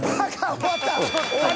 終わった。